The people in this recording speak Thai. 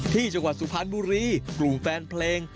จังหวัดสุพรรณบุรีกลุ่มแฟนเพลง